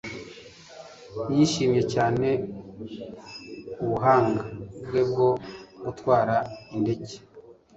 Yishimiye cyane ubuhanga bwe bwo gutwara indege.